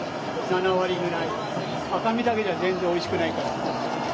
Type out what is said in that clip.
赤身だけじゃ全然おいしくないから。